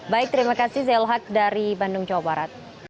baik terima kasih zail haq dari bandung jawa barat